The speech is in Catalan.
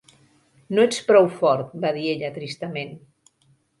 "No ets prou fort", va dir ella tristament.